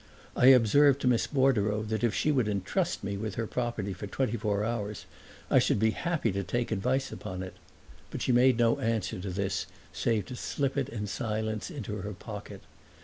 I observed to Miss Bordereau that if she would entrust me with her property for twenty four hours I should be happy to take advice upon it; but she made no answer to this save to slip it in silence into her pocket.